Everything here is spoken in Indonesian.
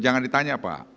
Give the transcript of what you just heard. jangan ditanya pak